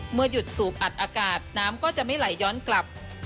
หยุดสูบอัดอากาศน้ำก็จะไม่ไหลย้อนกลับ